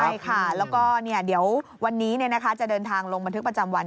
ใช่ค่ะแล้วก็เดี๋ยววันนี้จะเดินทางลงบันทึกประจำวัน